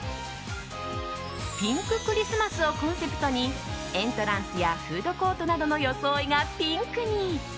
ピンククリスマスをコンセプトにエントランスやフードコートなどの装いがピンクに。